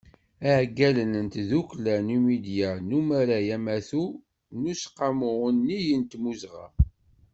Iɛeggalen n tddukkla Numidya d umaray amatu n Useqqamu unnig n timmuzɣa.